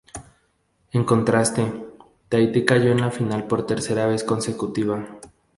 En contraste, Tahití cayó en la final por tercera vez consecutiva.